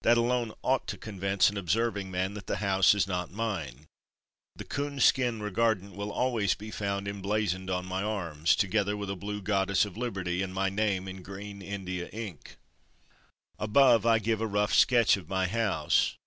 That alone ought to convince an observing man that the house is not mine. The coonskin regardant will always be found emblazoned on my arms, together with a blue Goddess of Liberty and my name in green India ink. Above I give a rough sketch of my house.